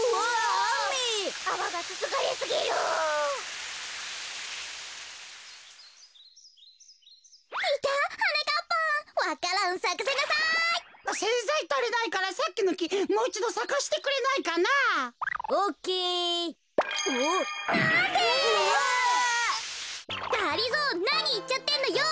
がりぞーなにいっちゃってんのよ。